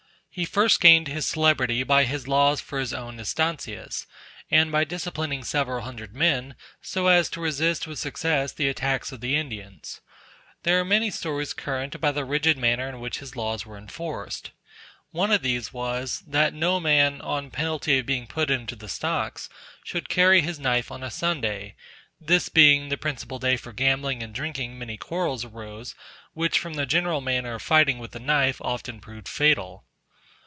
He first gained his celebrity by his laws for his own estancias, and by disciplining several hundred men, so as to resist with success the attacks of the Indians. There are many stories current about the rigid manner in which his laws were enforced. One of these was, that no man, on penalty of being put into the stocks, should carry his knife on a Sunday: this being the principal day for gambling and drinking, many quarrels arose, which from the general manner of fighting with the knife often proved fatal.